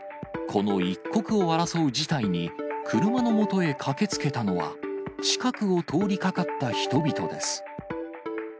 この一刻を争う事態に、車のもとへ駆けつけたのは、近くを通りかかった人々です。